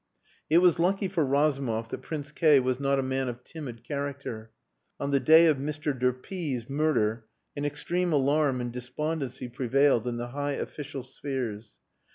It was lucky for Razumov that Prince K was not a man of timid character. On the day of Mr. de P 's murder an extreme alarm and despondency prevailed in the high official spheres.